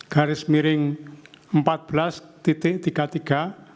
garis miring empat belas tiga puluh tiga